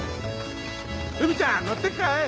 海ちゃん乗ってくかい？